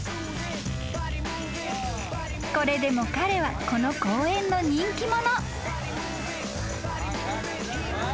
［これでも彼はこの公園の人気者］